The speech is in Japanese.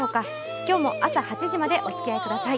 今日も朝８時までお付き合いください。